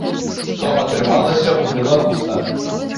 Што атрымалася ў беларуса?